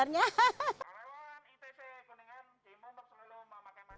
kerewan ipc kuningan tim lumpur selalu mama kemang